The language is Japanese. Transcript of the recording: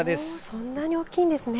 そんなに大きいんですね。